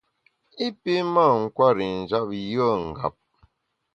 I pi mâ nkwer i njap yùe ngap.